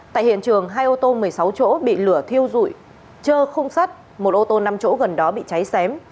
tại hiện trường hai ô tô một mươi sáu chỗ bị lửa thiêu rụi chơ không sắt một ô tô năm chỗ gần đó bị cháy xém